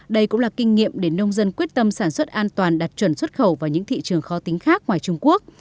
đây cũng là kinh nghiệm để nông dân quyết tâm sản xuất an toàn đặt chuẩn xuất khẩu vào những thị trường khó tính khác ngoài trung quốc